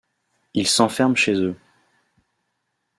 Ils s’enferment chez eux.